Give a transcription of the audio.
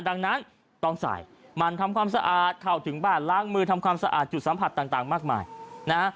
ดังนั้นต้องใส่มันทำความสะอาดเข้าถึงบ้านล้างมือทำความสะอาดจุดสัมผัสต่างมากมายนะฮะ